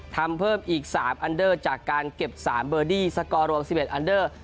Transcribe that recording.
เพิ่มอีก๓อันเดอร์จากการเก็บ๓เบอร์ดี้สกอร์รวม๑๑อันเดอร์